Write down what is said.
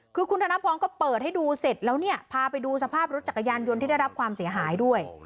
คือคุณธนพรก็เปิดให้ดูเสร็จแล้วเนี่ยพาไปดูสภาพรถจักรยานยนต์ที่ได้รับความเสียหายด้วย